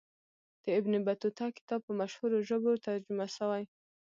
د ابن بطوطه کتاب په مشهورو ژبو ترجمه سوی.